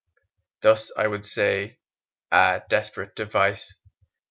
Thus would I slay, Ah, desperate device!